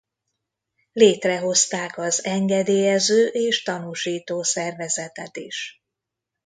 Létrehozták az engedélyező és tanúsító szervezetet is.